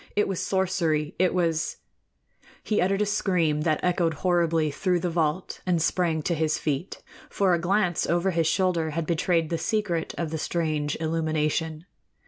It was sorcery, it was He uttered a scream that echoed horribly through the vault and sprang to his feet; for a glance over his shoulder had betrayed the secret of the strange illumination.